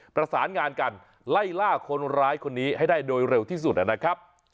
ประสานงานกันไล่ล่าคนร้ายคนนี้ให้ได้โดยเร็วที่สุดนะครับ